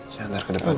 saya ntar ke depan